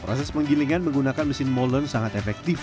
proses penggilingan menggunakan mesin molen sangat efektif